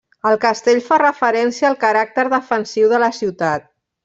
El castell fa referència al caràcter defensiu de la ciutat.